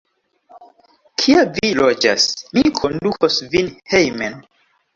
Kie vi loĝas? Mi kondukos vin hejmen.